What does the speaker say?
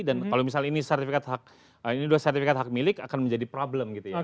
dan kalau misalnya ini dua sertifikat hak milik akan menjadi problem gitu ya